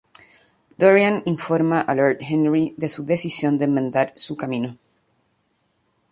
Dorian informa a Lord Henry de su decisión de enmendar su camino.